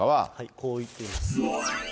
こう言っています。